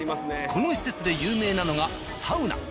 この施設で有名なのがサウナ。